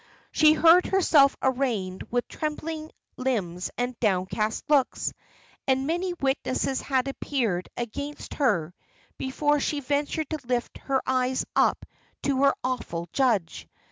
She heard herself arraigned with trembling limbs and downcast looks; and many witnesses had appeared against her before she ventured to lift her eyes up to her awful judge.